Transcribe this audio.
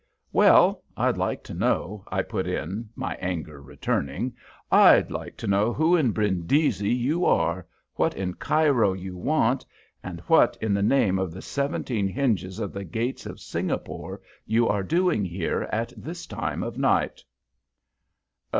"Well, I'd like to know," I put in, my anger returning "I'd like to know who in Brindisi you are, what in Cairo you want, and what in the name of the seventeen hinges of the gates of Singapore you are doing here at this time of night?"